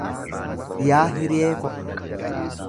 Yaa hiriyee ko